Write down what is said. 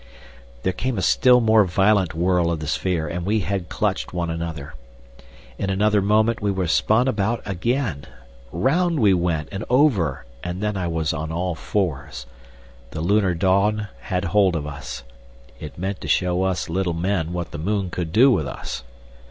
There came a still more violent whirl of the sphere and we had clutched one another. In another moment we were spun about again. Round we went and over, and then I was on all fours. The lunar dawn had hold of us. It meant to show us little men what the moon could do with us.